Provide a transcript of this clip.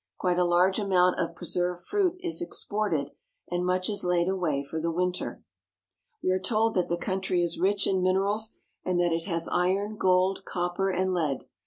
Quite a large amount of pre served fruit is exported, and much is laid away for the winter. We are told that the country is rich in minerals, and that it has iron, gold, copper, and lead.